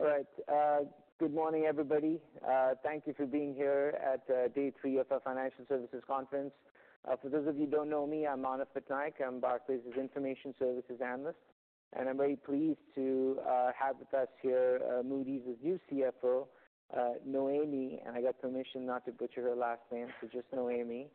All right, good morning, everybody. Thank you for being here at day three of our Financial Services Conference. For those of you who don't know me, I'm Manav Patnaik. I'm Barclays Information Services analyst, and I'm very pleased to have with us here Moody's new CFO, Noémie, and I got permission not to butcher her last name, so just Noémie.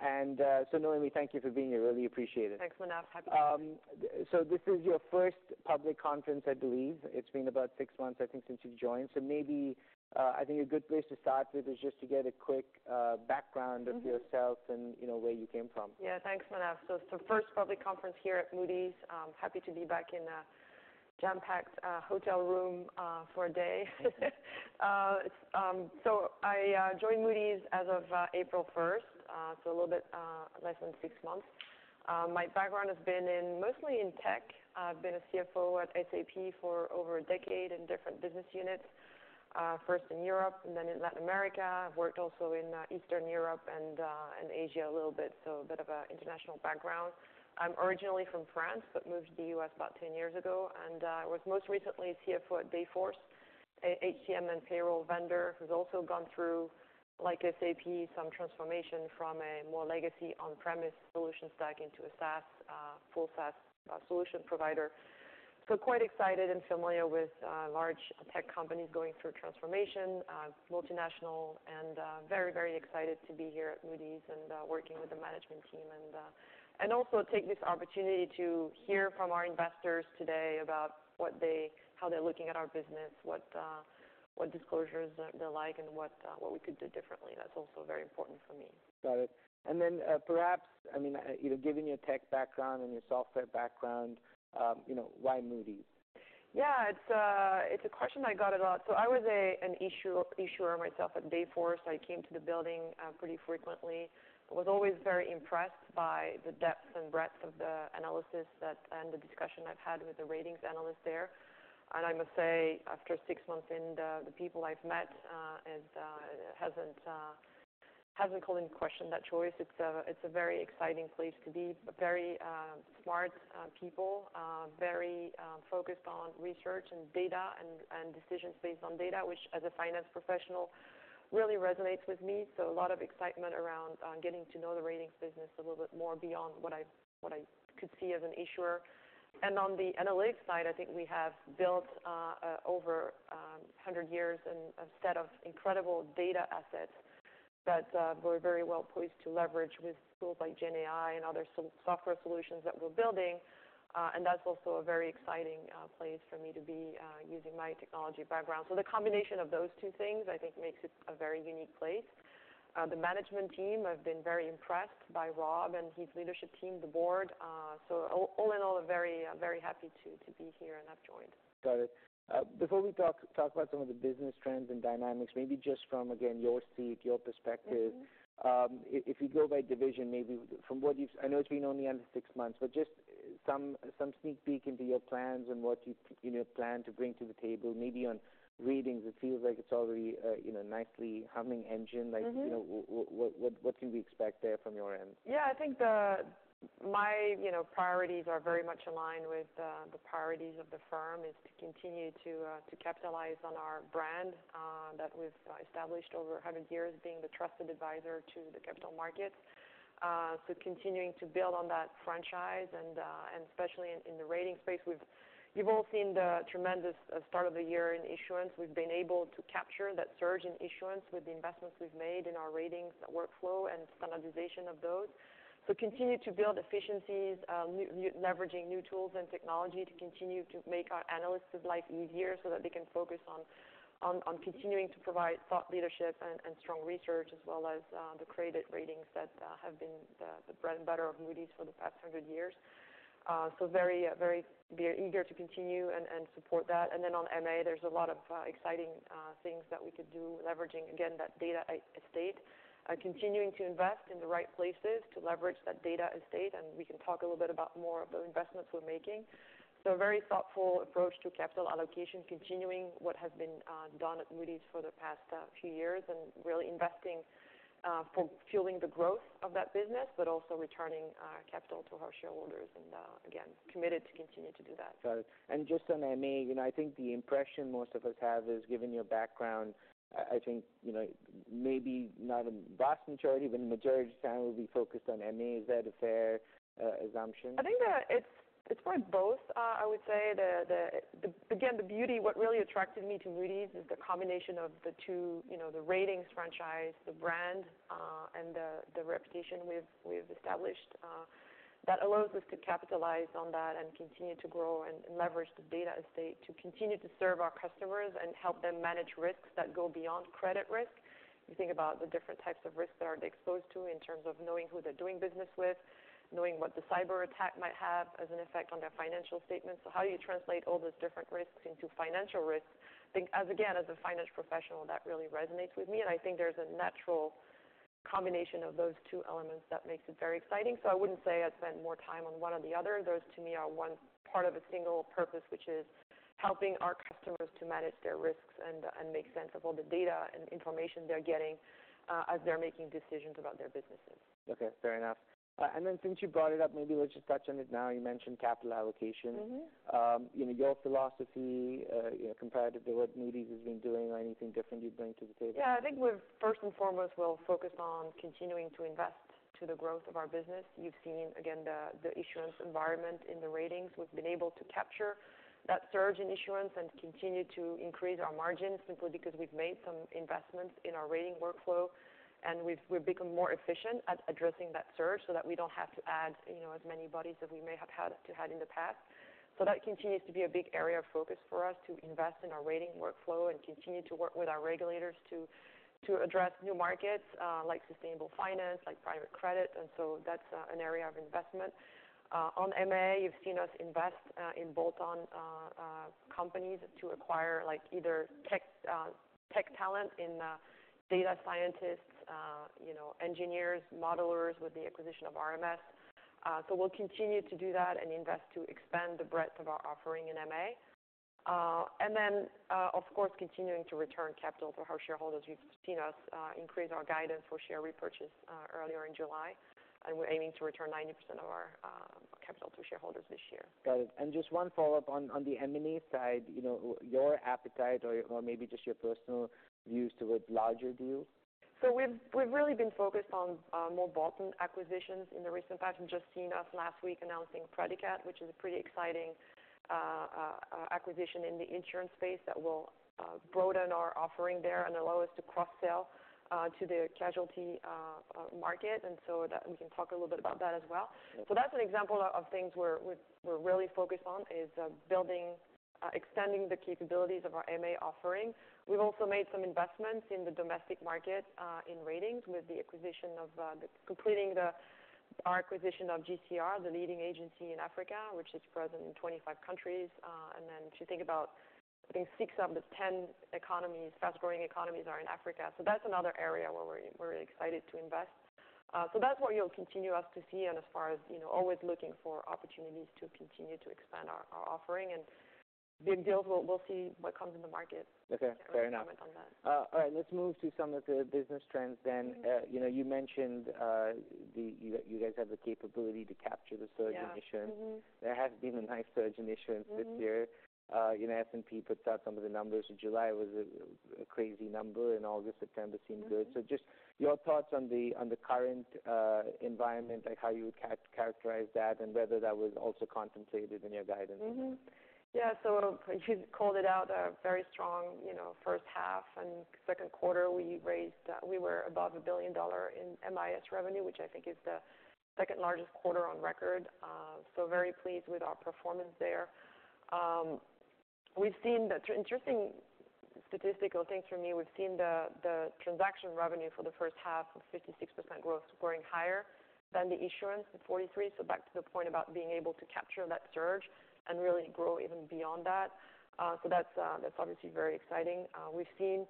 And so Noémie, thank you for being here. Really appreciate it. Thanks, Manav. Happy to be here. So this is your first public conference, I believe. It's been about six months, I think, since you've joined. So maybe, I think a good place to start with is just to get a quick background- Mm-hmm of yourself and, you know, where you came from. Yeah, thanks, Manav. So it's the first public conference here at Moody's. Happy to be back in a jam-packed hotel room for a day. So I joined Moody's as of April first, so a little bit less than six months. My background has been mostly in tech. I've been a CFO at SAP for over a decade in different business units, first in Europe and then in Latin America. I've worked also in Eastern Europe and in Asia a little bit, so a bit of a international background. I'm originally from France, but moved to the U.S. about 10 years ago, and I was most recently a CFO at Dayforce, a HCM and payroll vendor, who's also gone through, like SAP, some transformation from a more legacy on-premise solution stack into a SaaS full SaaS solution provider. So quite excited and familiar with large tech companies going through transformation, multinational and very, very excited to be here at Moody's and working with the management team. And also take this opportunity to hear from our investors today about how they're looking at our business, what disclosures they like, and what we could do differently. That's also very important for me. Got it. And then, perhaps, I mean, you know, given your tech background and your software background, you know, why Moody's? Yeah, it's a question I got a lot. So I was an issuer myself at Dayforce. I came to the building pretty frequently, but was always very impressed by the depth and breadth of the analysis and the discussion I've had with the ratings analysts there. And I must say, after six months in, the people I've met hasn't called into question that choice. It's a very exciting place to be. Very smart people, very focused on research and data and decisions based on data, which, as a finance professional, really resonates with me. So a lot of excitement around getting to know the ratings business a little bit more beyond what I could see as an issuer. And on the analytics side, I think we have built over a hundred years and a set of incredible data assets that we're very well poised to leverage with tools like GenAI and other software solutions that we're building. And that's also a very exciting place for me to be using my technology background. So the combination of those two things, I think, makes it a very unique place. The management team, I've been very impressed by Rob and his leadership team, the board. So all in all, I'm very, very happy to be here, and I've joined. Got it. Before we talk about some of the business trends and dynamics, maybe just from, again, your seat, your perspective- Mm-hmm. If you go by division, maybe from what you've... I know it's been only under six months, but just some sneak peek into your plans and what you, you know, plan to bring to the table. Maybe on ratings, it feels like it's already a, you know, nicely humming engine. Mm-hmm. Like, you know, what can we expect there from your end? Yeah, I think my, you know, priorities are very much aligned with the priorities of the firm is to continue to capitalize on our brand that we've established over a hundred years, being the trusted advisor to the capital markets, so continuing to build on that franchise and especially in the rating space, you've all seen the tremendous start of the year in issuance. We've been able to capture that surge in issuance with the investments we've made in our ratings, the workflow and standardization of those. Continue to build efficiencies, leveraging new tools and technology to continue to make our analysts' life easier, so that they can focus on continuing to provide thought leadership and strong research, as well as the credit ratings that have been the bread and butter of Moody's for the past hundred years. Very eager to continue and support that. Then on MA, there's a lot of exciting things that we could do, leveraging again that data estate. Continuing to invest in the right places to leverage that data estate, and we can talk a little bit about more of the investments we're making. So a very thoughtful approach to capital allocation, continuing what has been done at Moody's for the past few years, and really investing for fueling the growth of that business, but also returning capital to our shareholders, and again, committed to continue to do that. Got it. And just on MA, you know, I think the impression most of us have is, given your background, I think, you know, maybe not a vast majority, but the majority of time will be focused on MA. Is that a fair assumption? I think that it's probably both. I would say the beauty, what really attracted me to Moody's is the combination of the two, you know, the ratings franchise, the brand, and the reputation we've established that allows us to capitalize on that and continue to grow and leverage the data estate to continue to serve our customers and help them manage risks that go beyond credit risk. You think about the different types of risks that they are exposed to in terms of knowing who they're doing business with, knowing what the cyber attack might have as an effect on their financial statements. So how do you translate all those different risks into financial risks? I think, again, as a finance professional, that really resonates with me, and I think there's a natural-... combination of those two elements that makes it very exciting. So I wouldn't say I'd spent more time on one or the other. Those, to me, are one part of a single purpose, which is helping our customers to manage their risks and make sense of all the data and information they're getting as they're making decisions about their businesses. Okay, fair enough, and then since you brought it up, maybe let's just touch on it now. You mentioned capital allocation. Mm-hmm. You know, your philosophy, you know, compared to what Moody's has been doing, or anything different you'd bring to the table? Yeah, I think we've first and foremost, we'll focus on continuing to invest to the growth of our business. You've seen, again, the issuance environment in the ratings. We've been able to capture that surge in issuance and continue to increase our margins, simply because we've made some investments in our rating workflow, and we've become more efficient at addressing that surge so that we don't have to add, you know, as many bodies as we may have had to had in the past. So that continues to be a big area of focus for us, to invest in our rating workflow and continue to work with our regulators to address new markets, like sustainable finance, like private credit, and so that's an area of investment. On MA, you've seen us invest in bolt-on companies to acquire, like, either tech talent in data scientists, you know, engineers, modelers, with the acquisition of RMS. So we'll continue to do that and invest to expand the breadth of our offering in MA. And then, of course, continuing to return capital to our shareholders. You've seen us increase our guidance for share repurchase earlier in July, and we're aiming to return 90% of our capital to shareholders this year. Got it. And just one follow-up on the M&A side, you know, your appetite or maybe just your personal views towards larger deals. So we've really been focused on more bolt-on acquisitions in the recent past. You've just seen us last week announcing Praedicat, which is a pretty exciting acquisition in the insurance space that will broaden our offering there and allow us to cross-sell to the casualty market, and so that we can talk a little bit about that as well. So that's an example of things we're really focused on is extending the capabilities of our MA offerings. We've also made some investments in the domestic market in ratings, with completing our acquisition of GCR, the leading agency in Africa, which is present in 25 countries. And then if you think about, I think, six out of the 10 economies, fast-growing economies, are in Africa. That's another area where we're excited to invest. That's where you'll continue to see us, and as far as, you know, always looking for opportunities to continue to expand our offering and big deals, we'll see what comes in the market. Okay, fair enough. Comment on that. All right, let's move to some of the business trends then. Mm-hmm. You know, you mentioned you guys have the capability to capture the surge in issuance. Yeah. Mm-hmm. There has been a nice surge in issuance this year. Mm-hmm. You know, S&P puts out some of the numbers in July. It was a crazy number in August. September seemed good. Mm-hmm. So just your thoughts on the current environment and how you would characterize that and whether that was also contemplated in your guidance? Yeah, so you called it out, a very strong, you know, first half and second quarter. We raised. We were above $1 billion in MIS revenue, which I think is the second-largest quarter on record. So very pleased with our performance there. We've seen the interesting statistical thing for me, we've seen the transaction revenue for the first half of 56% growth, growing higher than the issuance of 43%. So back to the point about being able to capture that surge and really grow even beyond that. So that's obviously very exciting. We've seen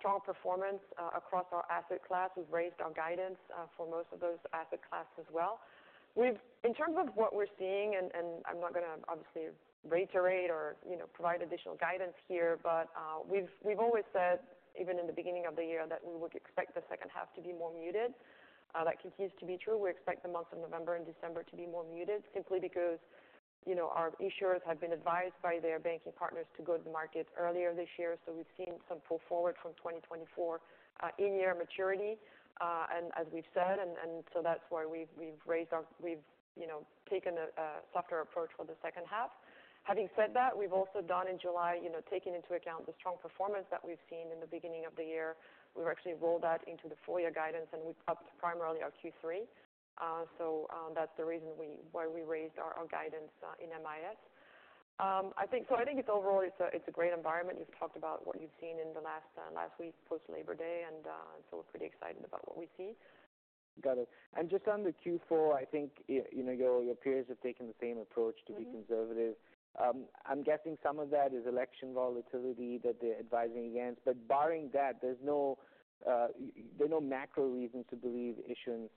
strong performance across our asset class. We've raised our guidance for most of those asset classes as well. We've. In terms of what we're seeing, and I'm not gonna obviously raise our rate or, you know, provide additional guidance here, but we've always said, even in the beginning of the year, that we would expect the second half to be more muted. That continues to be true. We expect the months of November and December to be more muted simply because, you know, our issuers have been advised by their banking partners to go to the market earlier this year, so we've seen some pull forward from 2024, in-year maturity. And as we've said, and so that's why we've raised our. We've, you know, taken a softer approach for the second half. Having said that, we've also done in July, you know, taking into account the strong performance that we've seen in the beginning of the year, we've actually rolled that into the full year guidance, and we've upped primarily our Q3. So, that's the reason why we raised our guidance in MIS. I think it's overall a great environment. We've talked about what you've seen in the last week post-Labor Day, and so we're pretty excited about what we see. Got it, and just on the Q4, I think, you know, your peers have taken the same approach to be conservative. Mm-hmm. I'm guessing some of that is election volatility that they're advising against, but barring that, there's no macro reason to believe issuance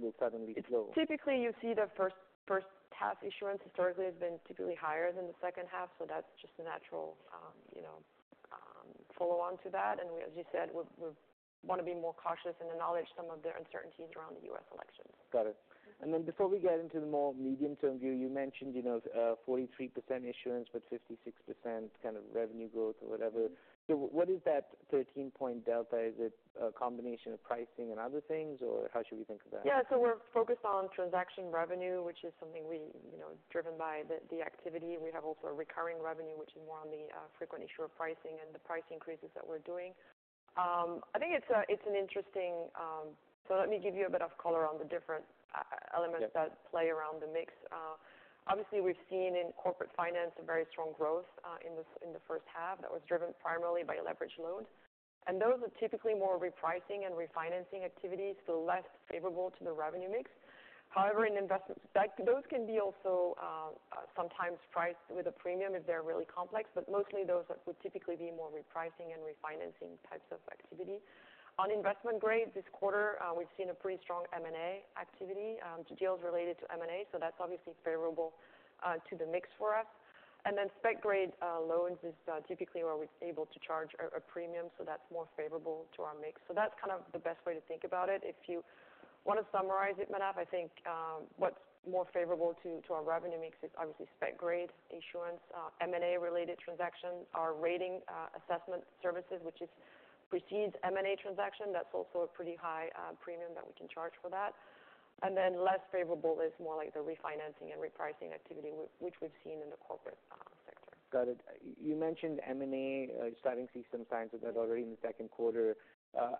will suddenly slow. It's typically, you see the first half issuance historically has been typically higher than the second half, so that's just a natural, you know, follow-on to that. And as you said, we wanna be more cautious and acknowledge some of the uncertainties around the U.S. elections. Got it. And then before we get into the more medium-term view, you mentioned, you know, 43% issuance, but 56% kind of revenue growth or whatever. Mm-hmm. So what is that 13-point delta? Is it a combination of pricing and other things, or how should we think of that? Yeah, so we're focused on transaction revenue, which is something we, you know, driven by the activity. We have also a recurring revenue, which is more on the frequent issuer pricing and the price increases that we're doing. I think it's an interesting. So let me give you a bit of color on the different. Yeah... elements that play around the mix. Obviously, we've seen in corporate finance, a very strong growth, in the first half that was driven primarily by leveraged loans. And those are typically more repricing and refinancing activities, so less favorable to the revenue mix. However, in investment grade, those can be also sometimes priced with a premium if they're really complex, but mostly those would typically be more repricing and refinancing types of activity. On investment grade, this quarter, we've seen a pretty strong M&A activity, to deals related to M&A, so that's obviously favorable to the mix for us. And then spec grade loans is typically where we're able to charge a premium, so that's more favorable to our mix. So that's kind of the best way to think about it. If you want to summarize it, Manav, I think, what's more favorable to, to our revenue mix is obviously spec grade issuance, M&A related transactions. Our rating assessment services, which precedes M&A transaction, that's also a pretty high premium that we can charge for that. And then less favorable is more like the refinancing and repricing activity, which we've seen in the corporate sector. Got it. You mentioned M&A, starting to see some signs of that already in the second quarter.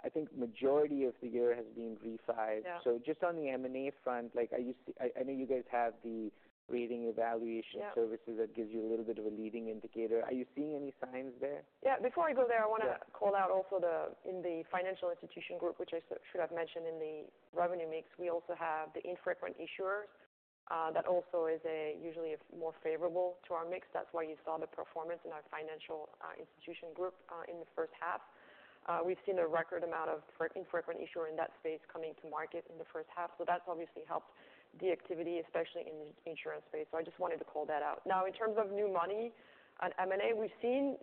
I think majority of the year has been refi. Yeah. So just on the M&A front, like, are you? I know you guys have the rating evaluation. Yeah... services that gives you a little bit of a leading indicator. Are you seeing any signs there? Yeah, before I go there- Yeah... I wanna call out also the, in the Financial Institution Group, which I should have mentioned in the revenue mix, we also have the infrequent issuers, that also is a usually it's more favorable to our mix. That's why you saw the performance in our Financial Institution Group, in the first half. We've seen a record amount of infrequent issuer in that space coming to market in the first half, so that's obviously helped the activity, especially in the insurance space. So I just wanted to call that out. Now, in terms of new money on M&A, we've seen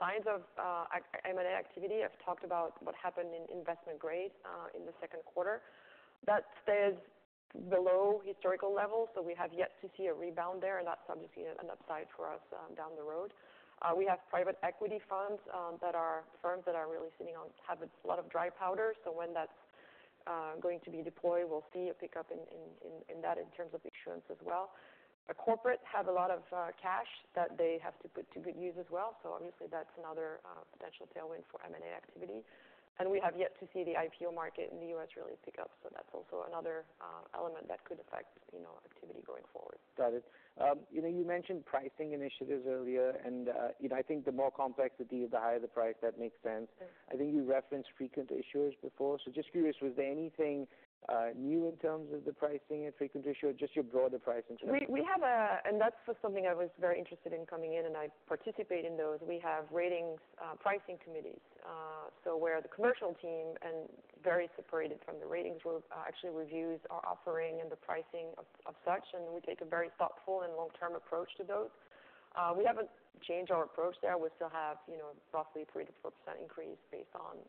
signs of a M&A activity. I've talked about what happened in investment grade, in the second quarter. That stays below historical levels, so we have yet to see a rebound there, and that's obviously an upside for us down the road. We have private equity funds that are firms that are really sitting on have a lot of dry powder, so when that's going to be deployed, we'll see a pickup in that in terms of insurance as well. The corporates have a lot of cash that they have to put to good use as well, so obviously that's another potential tailwind for M&A activity. And we have yet to see the IPO market in the U.S. really pick up, so that's also another element that could affect, you know, activity going forward. Got it. You know, you mentioned pricing initiatives earlier, and, you know, I think the more complex the deal, the higher the price. That makes sense. Yeah. I think you referenced frequent issuers before. So just curious, was there anything new in terms of the pricing and frequent issuer, just your broader pricing strategy? We have a and that's something I was very interested in coming in, and I participate in those. We have ratings pricing committees. So where the commercial team and very separated from the ratings group actually reviews our offering and the pricing of such, and we take a very thoughtful and long-term approach to those. We haven't changed our approach there. We still have, you know, roughly 3%-4% increase based on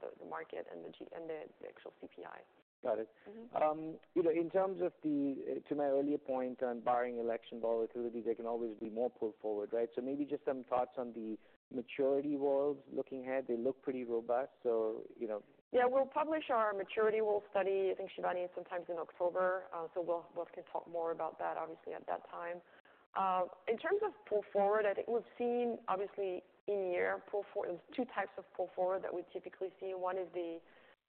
the market and the GDP and the actual CPI. Got it. Mm-hmm. You know, in terms of the, to my earlier point on barring election volatility, there can always be more pull forward, right? So maybe just some thoughts on the maturity wall looking ahead. They look pretty robust, so you know. Yeah, we'll publish our maturity world study, I think, Shivani, sometime in October. So we'll can talk more about that obviously at that time. In terms of pull forward, I think we've seen obviously in year, there's two types of pull forward that we typically see. One is the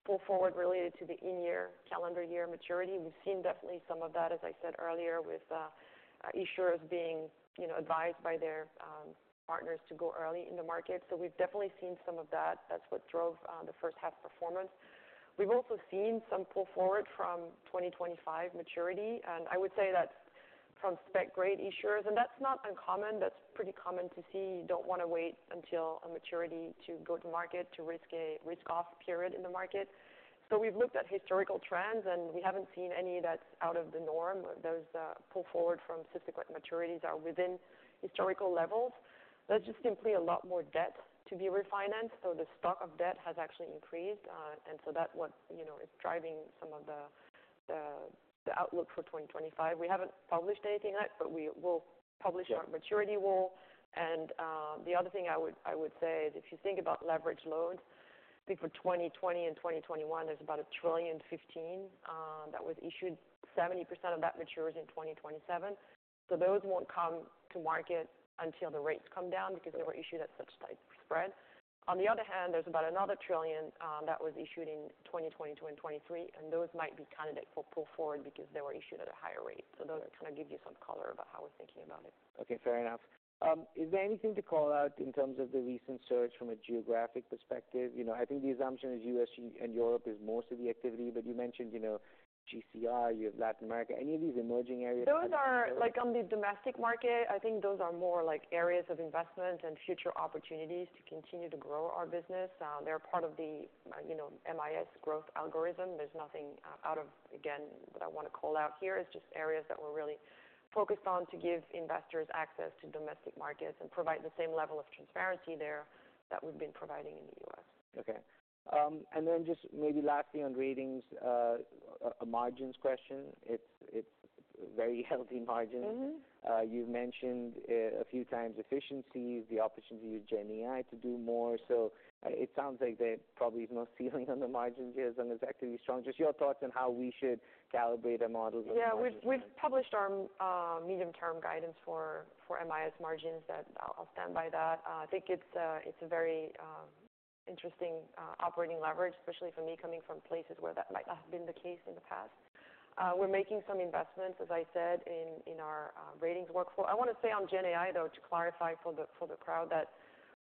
pull forward related to the in-year, calendar year maturity. We've seen definitely some of that, as I said earlier, with issuers being, you know, advised by their partners to go early in the market. So we've definitely seen some of that. That's what drove the first half performance. We've also seen some pull forward from 2025 maturity, and I would say that's from spec grade issuers, and that's not uncommon. That's pretty common to see. You don't wanna wait until a maturity to go to market, to risk a risk-off period in the market. So we've looked at historical trends, and we haven't seen any that's out of the norm. Those pull forward from specific maturities are within historical levels. There's just simply a lot more debt to be refinanced, so the stock of debt has actually increased. And so that's what, you know, is driving some of the outlook for 2025. We haven't published anything yet, but we will publish- Yeah... our maturity wall. And the other thing I would say is, if you think about leveraged loans, I think for 2020 and 2021, there's about $1.015 trillion that was issued. 70% of that matures in 2027, so those won't come to market until the rates come down because they were issued at such tight spreads. On the other hand, there's about another $1 trillion that was issued in 2022 and 2023, and those might be candidate for pull forward because they were issued at a higher rate. So those are kind of give you some color about how we're thinking about it. Okay, fair enough. Is there anything to call out in terms of the recent search from a geographic perspective? You know, I think the assumption is U.S. and Europe is most of the activity, but you mentioned, you know, GCR, you have Latin America. Any of these emerging areas? Those are... Like, on the domestic market, I think those are more like areas of investment and future opportunities to continue to grow our business. They're part of the, you know, MIS growth algorithm. There's nothing out of... Again, that I wanna call out here. It's just areas that we're really focused on to give investors access to domestic markets and provide the same level of transparency there that we've been providing in the U.S. Okay, and then just maybe lastly on ratings, a margins question. It's very healthy margins. Mm-hmm. You've mentioned a few times efficiencies, the opportunity with GenAI to do more. So it sounds like there's probably no ceiling on the margins here as long as activity is strong. Just your thoughts on how we should calibrate a model for the margins? Yeah, we've published our medium-term guidance for MIS margins that I'll stand by that. I think it's a very interesting operating leverage, especially for me, coming from places where that might not have been the case in the past. We're making some investments, as I said, in our ratings workflow. I wanna say on GenAI, though, to clarify for the crowd, that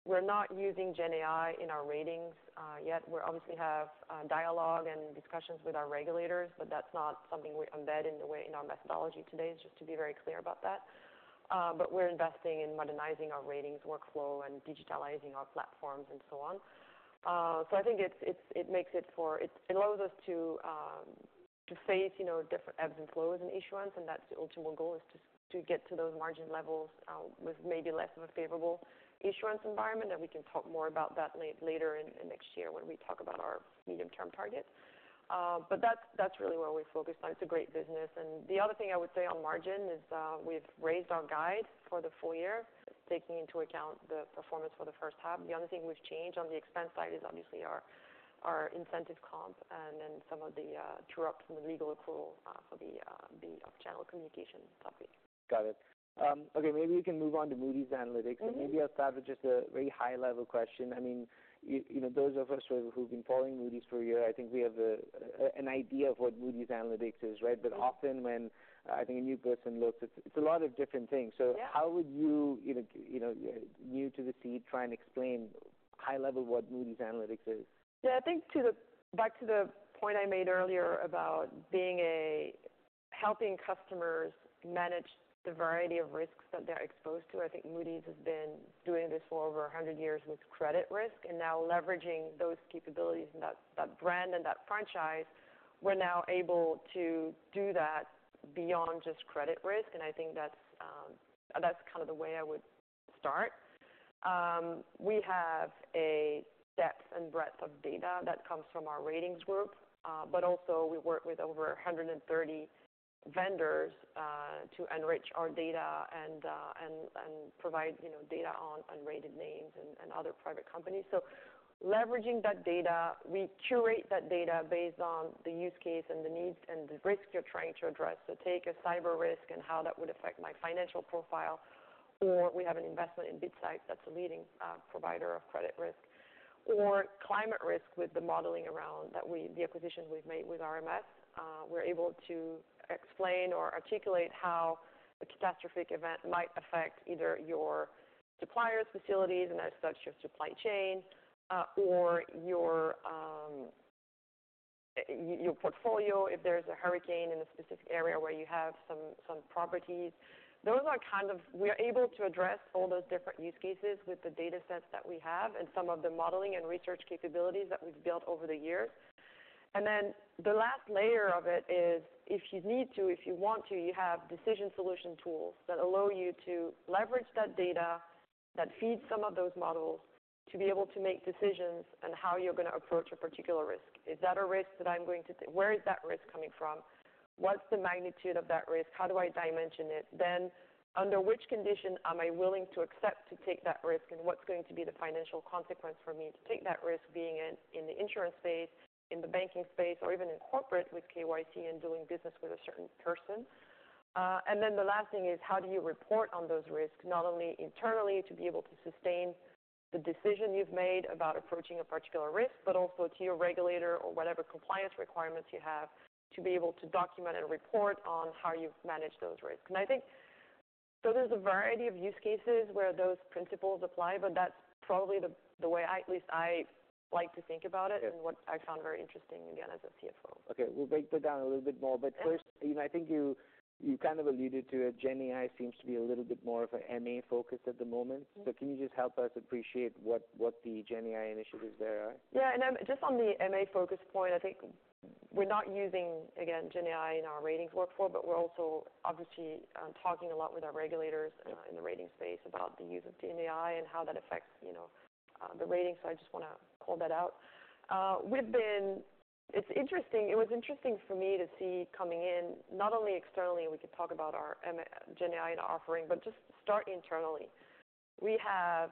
we're not using GenAI in our ratings yet. We obviously have dialogue and discussions with our regulators, but that's not something we embed in the way in our methodology today, just to be very clear about that. But we're investing in modernizing our ratings workflow and digitalizing our platforms and so on. So I think it allows us to face, you know, different ebbs and flows in issuance, and that's the ultimate goal, is to get to those margin levels with maybe less of a favorable issuance environment. We can talk more about that later in next year when we talk about our medium-term targets. But that's really where we're focused on. It's a great business. And the other thing I would say on margin is, we've raised our guide for the full year, taking into account the performance for the first half. The only thing we've changed on the expense side is obviously our incentive comp and then some of the true-ups and the legal accrual for the off-channel communication topic. Got it. Okay, maybe we can move on to Moody's Analytics. Mm-hmm. So maybe I'll start with just a very high-level question. I mean, you know, those of us who've been following Moody's for a year, I think we have an idea of what Moody's Analytics is, right? But often when I think a new person looks, it's a lot of different things. Yeah. So how would you, you know, new to the seat, try and explain high level what Moody's Analytics is? Yeah, I think back to the point I made earlier about helping customers manage the variety of risks that they're exposed to. I think Moody's has been doing this for over 100 years with credit risk, and now leveraging those capabilities and that brand and that franchise, we're now able to do that beyond just credit risk, and I think that's kind of the way I would start. We have a depth and breadth of data that comes from our ratings group, but also we work with over 130 vendors to enrich our data and provide, you know, data on unrated names and other private companies. So leveraging that data, we curate that data based on the use case and the needs and the risk you're trying to address. So take a cyber risk and how that would affect my financial profile, or we have an investment in BitSight, that's a leading provider of credit risk, or climate risk with the modeling around that the acquisition we've made with RMS. We're able to explain or articulate how a catastrophic event might affect either your suppliers' facilities, and as such, your supply chain, or your portfolio, if there's a hurricane in a specific area where you have some properties. Those are kind of. We are able to address all those different use cases with the data sets that we have and some of the modeling and research capabilities that we've built over the years. And then the last layer of it is, if you need to, if you want to, you have decision solution tools that allow you to leverage that data, that feed some of those models, to be able to make decisions on how you're going to approach a particular risk. Is that a risk that I'm going to take? Where is that risk coming from? What's the magnitude of that risk? How do I dimension it? Then, under which condition am I willing to accept to take that risk, and what's going to be the financial consequence for me to take that risk, being in the insurance space, in the banking space, or even in corporate with KYC and doing business with a certain person? and then the last thing is, how do you report on those risks, not only internally, to be able to sustain the decision you've made about approaching a particular risk, but also to your regulator or whatever compliance requirements you have, to be able to document and report on how you've managed those risks? And I think... So there's a variety of use cases where those principles apply, but that's probably the way I, at least I like to think about it and what I found very interesting, again, as a CFO. Okay, we'll break that down a little bit more. Yeah. But first, you know, I think you kind of alluded to it. GenAI seems to be a little bit more of an MA focus at the moment. Mm-hmm. So can you just help us appreciate what, what the GenAI initiatives there are? Yeah, and just on the MA focus point, I think we're not using, again, GenAI in our ratings workflow, but we're also obviously talking a lot with our regulators in the ratings space about the use of GenAI and how that affects, you know, the ratings. So I just want to call that out. It was interesting for me to see coming in, not only externally, we could talk about our Moody's GenAI offering, but just start internally. We have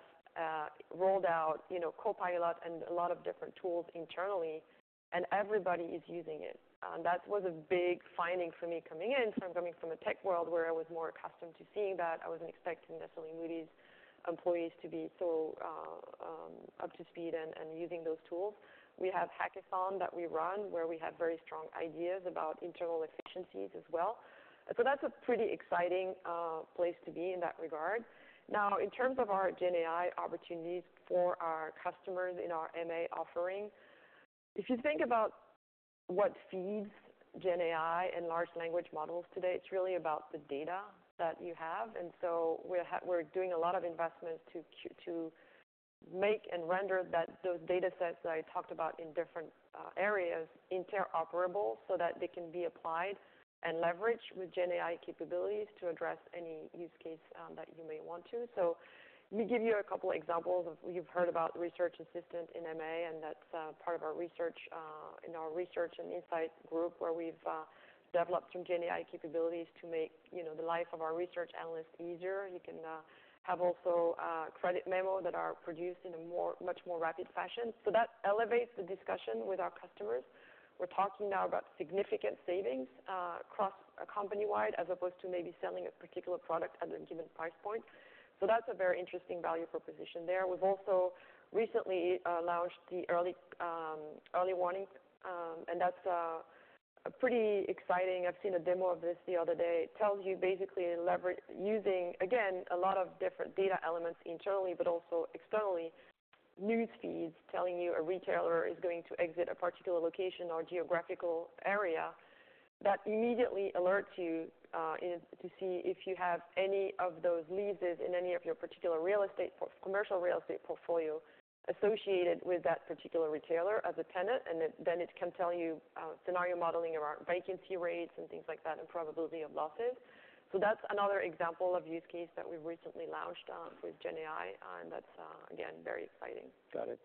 rolled out, you know, Copilot and a lot of different tools internally, and everybody is using it. That was a big finding for me coming from a tech world where I was more accustomed to seeing that. I wasn't expecting necessarily Moody's employees to be so up to speed and using those tools. We have hackathon that we run, where we have very strong ideas about internal efficiencies as well. So that's a pretty exciting place to be in that regard. Now, in terms of our GenAI opportunities for our customers in our MA offering, if you think about what feeds GenAI and large language models today, it's really about the data that you have. And so we're doing a lot of investments to make and render that, those data sets that I talked about in different areas, interoperable, so that they can be applied and leveraged with GenAI capabilities to address any use case that you may want to. So let me give you a couple examples of... You've heard about Research Assistant in MA, and that's part of our research in our research and insights group, where we've developed some GenAI capabilities to make, you know, the life of our research analysts easier. You can have also credit memos that are produced in a much more rapid fashion. So that elevates the discussion with our customers. We're talking now about significant savings across company-wide, as opposed to maybe selling a particular product at a given price point. So that's a very interesting value proposition there. We've also recently launched the Early Warning, and that's a pretty exciting. I've seen a demo of this the other day. It tells you basically leveraging, again, a lot of different data elements internally, but also externally, news feeds, telling you a retailer is going to exit a particular location or geographical area. That immediately alerts you to see if you have any of those leases in any of your particular real estate portfolio, commercial real estate portfolio associated with that particular retailer as a tenant. And then it can tell you scenario modeling around vacancy rates and things like that, and probability of losses. So that's another example of use case that we recently launched with GenAI, and that's again very exciting. Got it.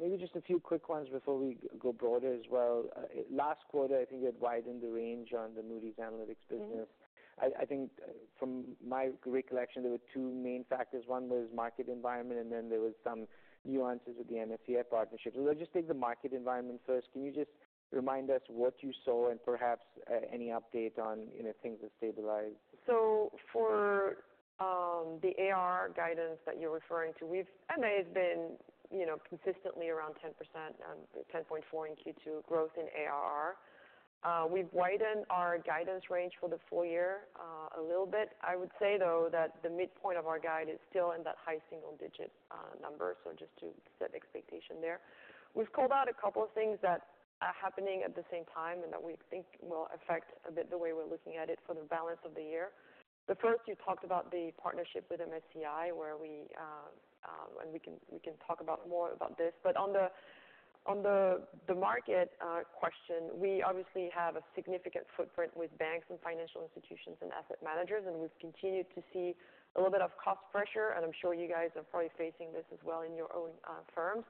Maybe just a few quick ones before we go broader as well. Last quarter, I think you had widened the range on the Moody's Analytics business. Mm-hmm. I think from my recollection, there were two main factors. One was market environment, and then there was some nuances with the MSCI partnership. So let's just take the market environment first. Can you just remind us what you saw and perhaps any update on, you know, things that stabilize? So for the ARR guidance that you're referring to, we've MA has been, you know, consistently around 10%, 10.4% in Q2, growth in ARR. We've widened our guidance range for the full year, a little bit. I would say, though, that the midpoint of our guide is still in that high single digit number, so just to set expectation there. We've called out a couple of things that are happening at the same time, and that we think will affect a bit the way we're looking at it for the balance of the year. The first, you talked about the partnership with MSCI, where we And we can talk about more about this. But on the market question, we obviously have a significant footprint with banks and financial institutions and asset managers, and we've continued to see a little bit of cost pressure. And I'm sure you guys are probably facing this as well in your own firms,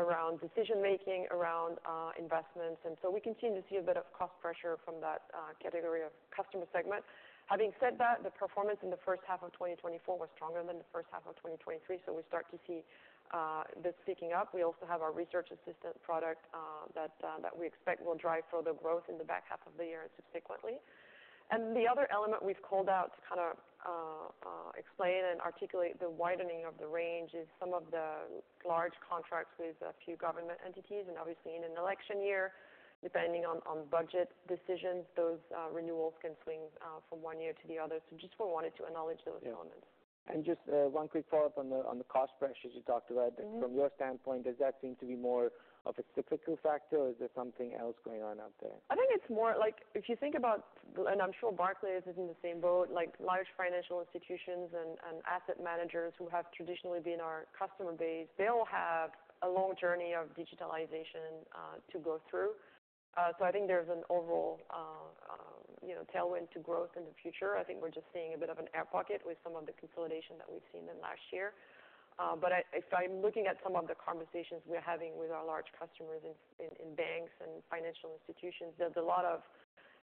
around decision-making, around investments. And so we continue to see a bit of cost pressure from that category of customer segment. Having said that, the performance in the first half of twenty twenty-four was stronger than the first half of twenty twenty-three, so we start to see this picking up. We also have our Research Assistant product that we expect will drive further growth in the back half of the year and subsequently. The other element we've called out to kind of explain and articulate the widening of the range is some of the large contracts with a few government entities. And obviously, in an election year, depending on budget decisions, those renewals can swing from one year to the other. So just we wanted to acknowledge those elements. Yeah. And just one quick follow-up on the cost pressures you talked about. Mm-hmm. From your standpoint, does that seem to be more of a cyclical factor, or is there something else going on out there? I think it's more like if you think about, and I'm sure Barclays is in the same boat, like large financial institutions and asset managers who have traditionally been our customer base, they all have a long journey of digitalization to go through, so I think there's an overall, you know, tailwind to growth in the future. I think we're just seeing a bit of an air pocket with some of the consolidation that we've seen in last year, but if I'm looking at some of the conversations we're having with our large customers in banks and financial institutions, there's a lot of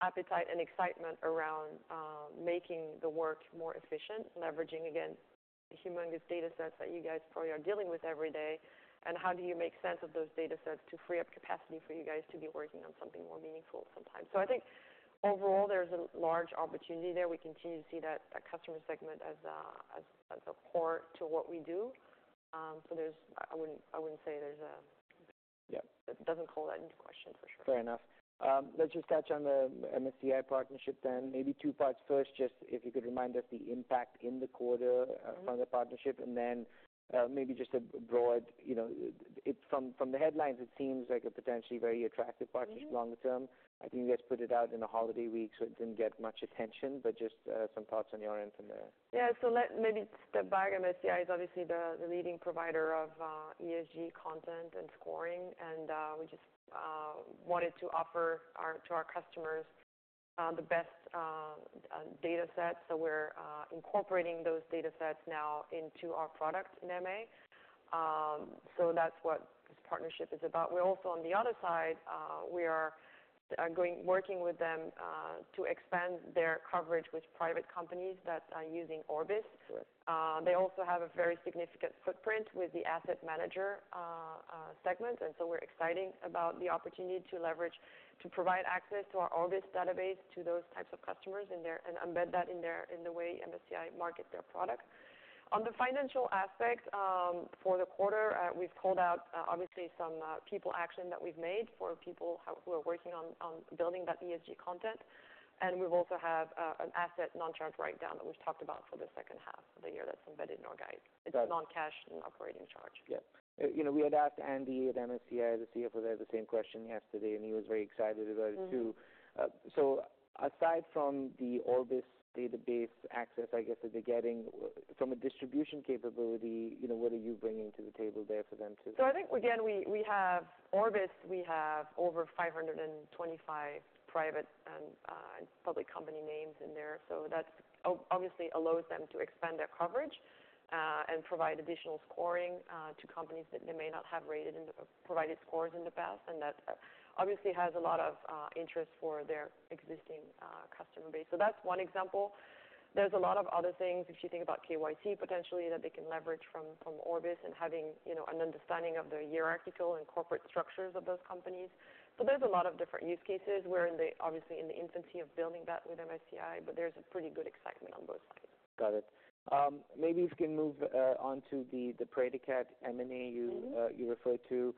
appetite and excitement around making the work more efficient, leveraging, again, the humongous datasets that you guys probably are dealing with every day. How do you make sense of those datasets to free up capacity for you guys to be working on something more meaningful sometimes? I think overall, there's a large opportunity there. We continue to see that customer segment as a core to what we do. So there's... I wouldn't say there's a- Yeah. It doesn't call that into question, for sure. Fair enough. Let's just touch on the MSCI partnership then. Maybe two parts. First, just if you could remind us the impact in the quarter- Mm-hmm... from the partnership, and then, maybe just a broad, you know, from the headlines, it seems like a potentially very attractive partnership- Mm-hmm... longer term. I think you guys put it out in a holiday week, so it didn't get much attention, but just some thoughts on your end from there. Yeah. So let's maybe step back. MSCI is obviously the leading provider of ESG content and scoring, and we just wanted to offer to our customers the best dataset. So we're incorporating those datasets now into our product in MA. So that's what this partnership is about. We're also, on the other side, we are working with them to expand their coverage with private companies that are using Orbis. Sure. They also have a very significant footprint with the asset manager segment. And so we're excited about the opportunity to leverage, to provide access to our Orbis database, to those types of customers in their... And embed that in their, in the way MSCI market their product. On the financial aspect, for the quarter, we've called out, obviously some people action that we've made for people who are working on building that ESG content. And we've also have an asset non-cash write-down that we've talked about for the second half of the year, that's embedded in our guide. Got it. It's non-cash and operating charge. Yeah. You know, we had asked Andy at MSCI, the CFO there, the same question yesterday, and he was very excited about it, too. Mm-hmm. So, aside from the Orbis database access, I guess, that they're getting from a distribution capability, you know, what are you bringing to the table there for them, too? So I think, again, we have Orbis. We have over 525 private and public company names in there, so that obviously allows them to expand their coverage and provide additional scoring to companies that they may not have rated in the provided scores in the past, and that obviously has a lot of interest for their existing customer base. So that's one example. There's a lot of other things, if you think about KYC, potentially, that they can leverage from Orbis and having, you know, an understanding of the hierarchical and corporate structures of those companies. So there's a lot of different use cases, we're obviously in the infancy of building that with MSCI, but there's a pretty good excitement on both sides. Got it. Maybe we can move onto the Praedicat M&A- Mm-hmm. You, you referred to,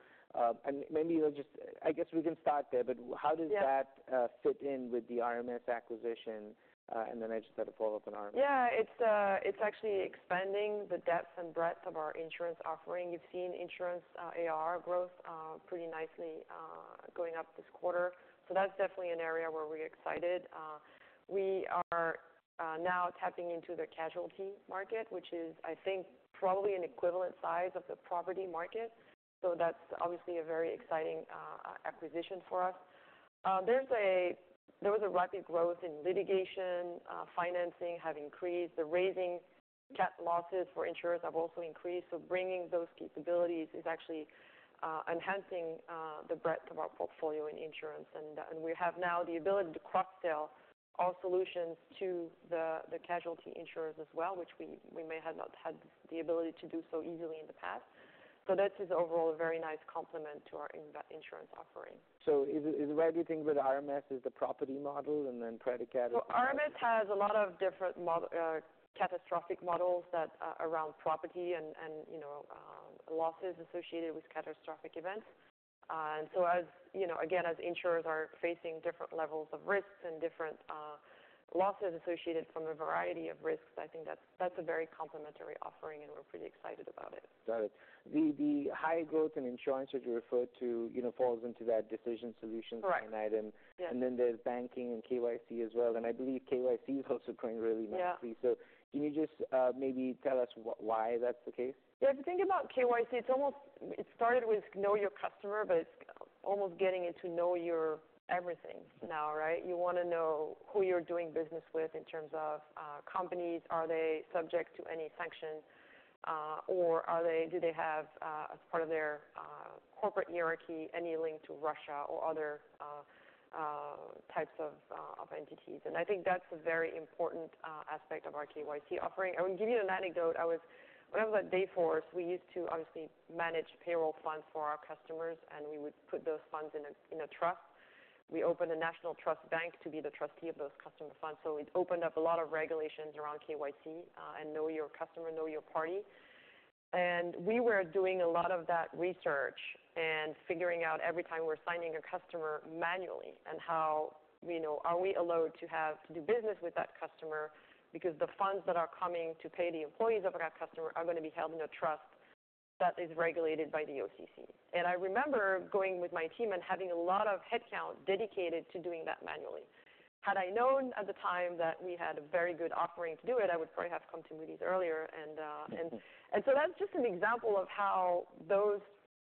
and maybe you'll just, I guess we can start there. Yeah. But how does that fit in with the RMS acquisition? And then I just had a follow-up on RMS. Yeah, it's actually expanding the depth and breadth of our insurance offering. You've seen insurance ARR growth pretty nicely going up this quarter. So that's definitely an area where we're excited. We are now tapping into the casualty market, which is, I think, probably an equivalent size of the property market, so that's obviously a very exciting acquisition for us. There was a rapid growth in litigation financing have increased. The rising cat losses for insurers have also increased. So bringing those capabilities is actually enhancing the breadth of our portfolio in insurance. And we have now the ability to cross-sell our solutions to the casualty insurers as well, which we may have not had the ability to do so easily in the past. So this is overall a very nice complement to our insurance offering. So, where do you think with RMS is the property model, and then Predicat is the- RMS has a lot of different models, catastrophic models that are around property and, you know, losses associated with catastrophic events. As you know, again, as insurers are facing different levels of risks and different losses associated from a variety of risks, I think that's a very complementary offering, and we're pretty excited about it. Got it. The high growth in insurance that you referred to, you know, falls into that decision solutions. Correct. Item. Yes. There's banking and KYC as well, and I believe KYC is also growing really nicely. Yeah. So can you just maybe tell us why that's the case? Yeah, if you think about KYC, it's almost... It started with know your customer, but it's almost getting into know your everything now, right? You wanna know who you're doing business with in terms of companies. Are they subject to any sanctions, or do they have, as part of their corporate hierarchy, any link to Russia or other types of entities? And I think that's a very important aspect of our KYC offering. I will give you an anecdote. When I was at Dayforce, we used to obviously manage payroll funds for our customers, and we would put those funds in a trust. We opened a national trust bank to be the trustee of those customer funds, so it opened up a lot of regulations around KYC, and know your customer, know your counterparty. And we were doing a lot of that research and figuring out every time we're signing a customer manually, and how, you know, are we allowed to have to do business with that customer? Because the funds that are coming to pay the employees of that customer are gonna be held in a trust that is regulated by the OCC. And I remember going with my team and having a lot of headcount dedicated to doing that manually. Had I known at the time that we had a very good offering to do it, I would probably have come to Moody's earlier. So that's just an example of how those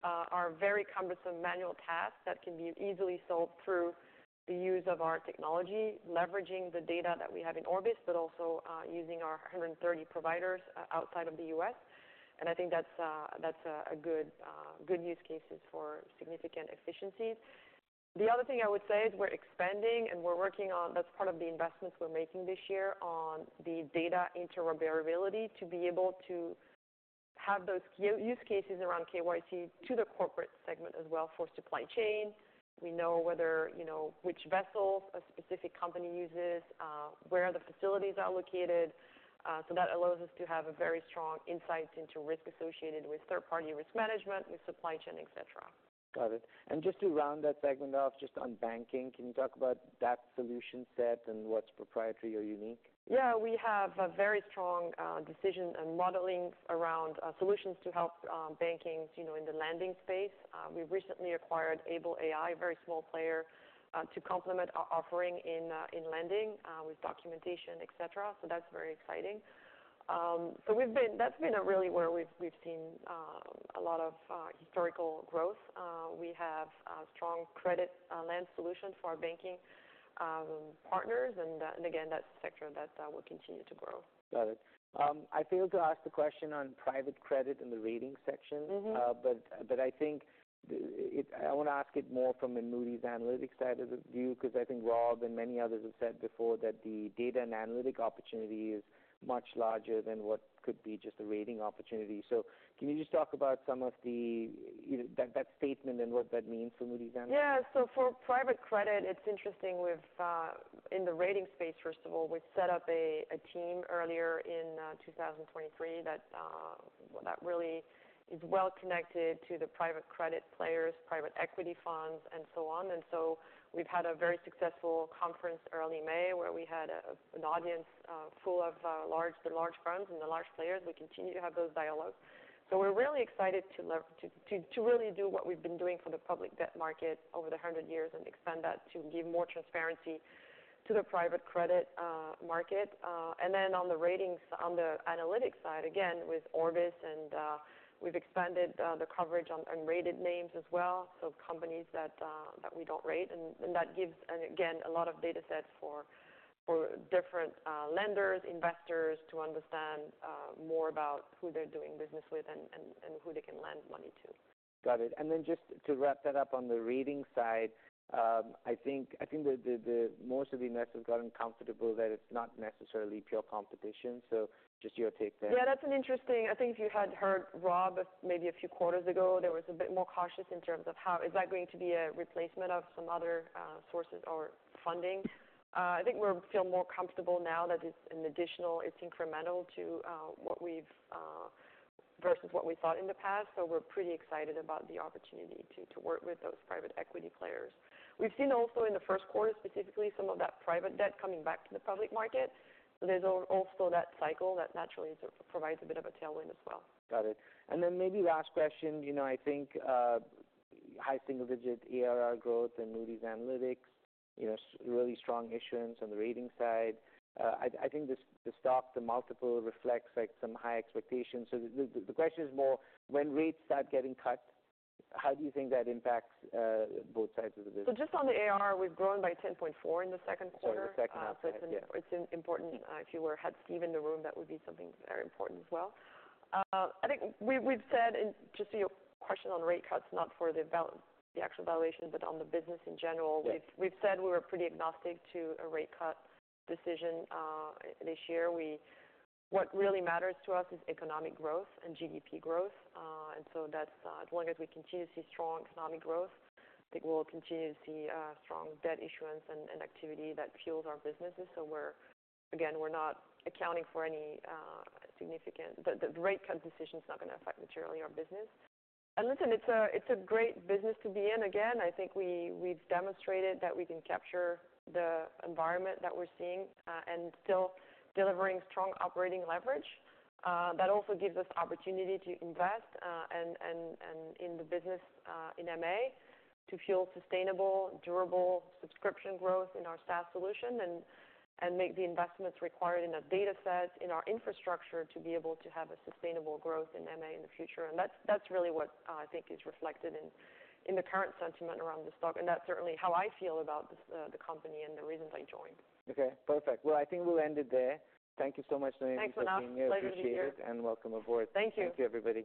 are very cumbersome manual tasks that can be easily solved through the use of our technology, leveraging the data that we have in Orbis, but also using our 130 providers outside of the U.S. I think that's a good use cases for significant efficiencies. The other thing I would say is, we're expanding, and we're working on that. That's part of the investments we're making this year on the data interoperability, to be able to have those use cases around KYC to the corporate segment as well for supply chain. We know whether, you know, which vessels a specific company uses, where the facilities are located. So that allows us to have a very strong insight into risk associated with third-party risk management, with supply chain, et cetera. Got it. And just to round that segment off, just on banking, can you talk about that solution set and what's proprietary or unique? Yeah, we have a very strong decision and modeling around solutions to help banking, you know, in the lending space. We recently acquired Able AI, a very small player, to complement our offering in lending with documentation, et cetera. So that's very exciting. So that's been really where we've seen a lot of historical growth. We have a strong CreditLens solution for our banking partners, and again, that's a sector that will continue to grow. Got it. I failed to ask the question on private credit in the ratings section. Mm-hmm. But I think it—I want to ask it more from a Moody's Analytics side of the view, because I think Rob and many others have said before that the data and analytic opportunity is much larger than what could be just a rating opportunity. So can you just talk about some of the, you know, that statement and what that means for Moody's Analytics? Yeah. So for private credit, it's interesting with... In the rating space, first of all, we've set up a team earlier in two thousand twenty-three that well, that really is well connected to the private credit players, private equity funds, and so on. And so we've had a very successful conference early May, where we had an audience full of the large firms and the large players. We continue to have those dialogues. So we're really excited to really do what we've been doing for the public debt market over the hundred years and expand that to give more transparency to the private credit market. And then on the ratings, on the analytics side, again, with Orbis and we've expanded the coverage on unrated names as well, so companies that we don't rate. And that gives, and again, a lot of data sets for different lenders, investors to understand more about who they're doing business with and who they can lend money to. Got it. And then just to wrap that up on the rating side, I think most of the investors have gotten comfortable that it's not necessarily pure competition. So just your take there. Yeah, that's interesting. I think if you had heard Rob maybe a few quarters ago, there was a bit more cautious in terms of how is that going to be a replacement of some other sources or funding? I think we're feel more comfortable now that it's an additional, it's incremental to what we've versus what we thought in the past. So we're pretty excited about the opportunity to work with those private equity players. We've seen also in the first quarter, specifically, some of that private debt coming back to the public market. So there's also that cycle that naturally sort of provides a bit of a tailwind as well. Got it. And then maybe last question. You know, I think high single digit ARR growth in Moody's Analytics, you know, really strong issuance on the rating side. I think the stock, the multiple reflects like some high expectations. So the question is more, when rates start getting cut, how do you think that impacts both sides of the business? Just on the ARR, we've grown by 10.4% in the second quarter. Second quarter, yeah. So it's an important, if you had Steve in the room, that would be something very important as well. I think we've said, and just to your question on rate cuts, not for the actual evaluation, but on the business in general- Yeah. We've said we were pretty agnostic to a rate cut decision this year. What really matters to us is economic growth and GDP growth. And so that's as long as we continue to see strong economic growth, I think we'll continue to see strong debt issuance and activity that fuels our businesses. So we're again not accounting for any significant. The rate cut decision is not going to affect materially our business. And listen, it's a great business to be in. Again, I think we've demonstrated that we can capture the environment that we're seeing and still delivering strong operating leverage. That also gives us opportunity to invest and in the business in MA to fuel sustainable, durable subscription growth in our SaaS solution, and make the investments required in that data set, in our infrastructure, to be able to have a sustainable growth in MA in the future. And that's really what I think is reflected in the current sentiment around the stock, and that's certainly how I feel about the company and the reasons I joined. Okay, perfect. Well, I think we'll end it there. Thank you so much, Noémie Heuland. Thanks a lot. Pleasure to be here. Appreciate it, and welcome aboard. Thank you. Thank you, everybody.